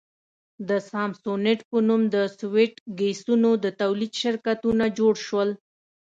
د سامسونیټ په نوم د سویټ کېسونو د تولید شرکتونه جوړ شول.